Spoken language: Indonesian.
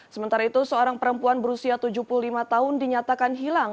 sementara itu seorang perempuan berusia tujuh puluh lima tahun dinyatakan hilang